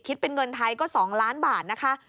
คิดเป็นเงินไทยก็๒ล้านบาทนะคะ